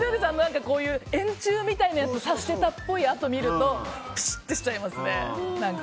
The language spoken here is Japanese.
円柱みたいなやつを刺してたっぽい痕を見るとピシッとしちゃいます。